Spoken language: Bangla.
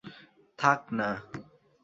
থাক, না।